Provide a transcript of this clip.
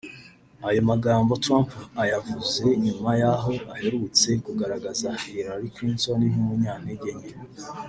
Ayo magambo Trump ayavuze nyuma y’aho aherutse kugaragaza Hillary Clinton nk’umunyantege nke